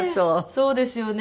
そうですよね。